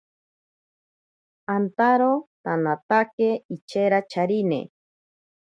Antaro tanaatake ichera charine.